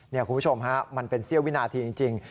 นี่คุณผู้ชมฮะมันเป็นเสี้ยววินาทีจริง